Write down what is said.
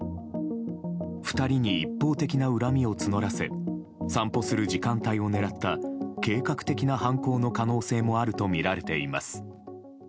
２人に一方的な恨みを募らせ散歩する時間帯を狙った計画的な犯行の可能性もあるとみられています。